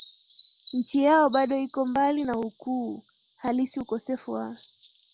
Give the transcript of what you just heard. nchi yao bado iko mbali na ukuu halisi Ukosefu wa